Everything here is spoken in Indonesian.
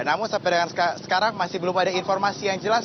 namun sampai dengan sekarang masih belum ada informasi yang jelas